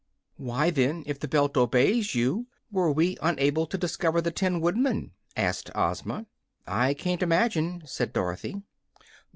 "Why, then, if the belt obeys you, were we unable to discover the Tin Woodman?" asked Ozma. "I can't imagine," said Dorothy.